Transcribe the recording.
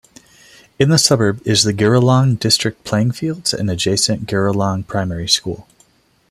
In the suburb is the Giralang District Playing fields and adjacent Giralang Primary School.